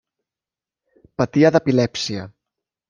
Patia d'epilèpsia.